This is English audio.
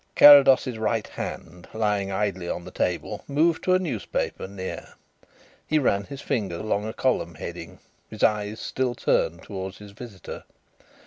Carrados's right hand, lying idly on the table, moved to a newspaper near. He ran his finger along a column heading, his eyes still turned towards his visitor.